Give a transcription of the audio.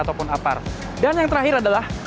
ataupun apar dan yang terakhir adalah